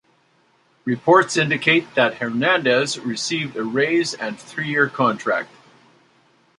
Reports indicate that Hernandez received a raise and three-year contract.